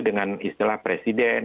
dengan istilah presiden